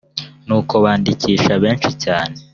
nuko bandikisha benshi cyane